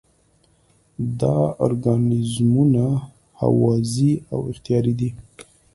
دا ارګانیزمونه هوازی او اختیاري دي.